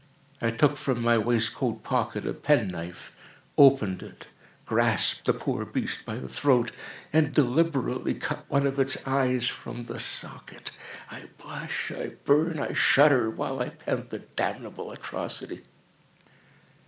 I took from my waistcoat pocket a pen knife, opened it, grasped the poor beast by the throat, and deliberately cut one of its eyes from the socket! I blush, I burn, I shudder, while I pen the damnable atrocity.